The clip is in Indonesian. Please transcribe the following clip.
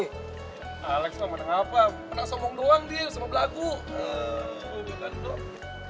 alex ga mau denger apa pernah sombong doang dia sama belakang gue